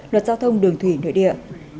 luật giao thông đường thủy nội địa